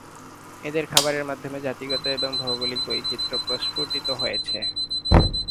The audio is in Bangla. এদের খাবারের মাধ্যমে জাতিগত এবং ভৌগোলিক বৈচিত্র্য প্রস্ফুটিত হয়েছে।